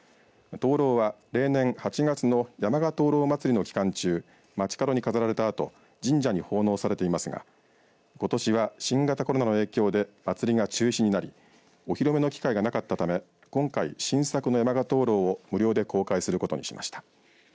灯籠は例年８月の山鹿灯籠まつりの期間中街角に飾られたあと神社に奉納されていますがことしは新型コロナの影響で祭りが中止になりお披露目の機会がなかったため、今回新作の山鹿灯籠を無料で公開することにしました。